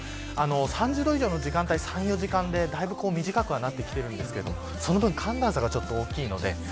３０度以上の時間帯３、４時間でだいぶ短くなってきていますがその分、寒暖差が大きいので。